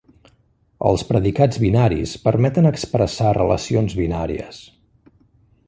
Els predicats binaris permeten expressar relacions binàries.